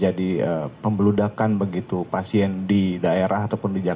jika ada terjadi pembeludakan begitu pasien di daerah ataupun di jakarta